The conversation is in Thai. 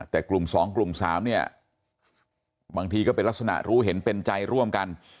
แต่กลุ่ม๒กลุ่ม๓เนี่ยบางทีก็เป็นลักษณะรู้เห็นเป็นใจร่วมกัน